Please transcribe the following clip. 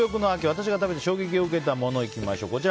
私が食べて衝撃を受けたものいきましょう。